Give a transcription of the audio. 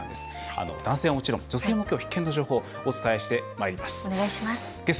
男性はもちろん女性も必見の情報をお伝えしてまいります。